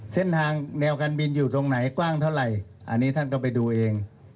เส้นทางเนวเป็นแนวการบินอยู่ตรงไหนกว้างเท่าไรอันนี้ท่านก็ไปดูเอง